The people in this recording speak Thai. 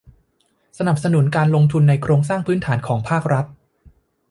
สนับสนุนการลงทุนในโครงสร้างพื้นฐานของภาครัฐ